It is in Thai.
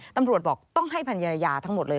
ตำรวจบอกต้องให้พันรยาทั้งหมดเลย